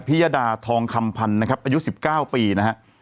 ยดาทองคำพันธ์นะครับอายุ๑๙ปีนะฮะ